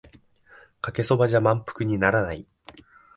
かけそばじゃ満腹にならない